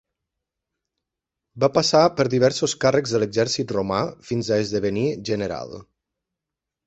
Va passar per diversos càrrecs de l'exèrcit romà fins a esdevenir general.